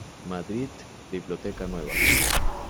Madrid: Biblioteca Nueva.